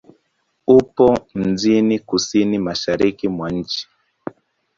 Upo mjini kusini-mashariki mwa nchi.